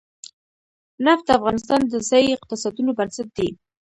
نفت د افغانستان د ځایي اقتصادونو بنسټ دی.